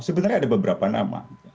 sebenarnya ada beberapa nama